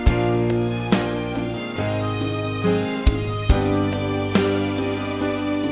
เพื่อรับทราบของคุณ